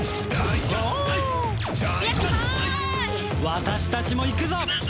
私たちもいくぞ！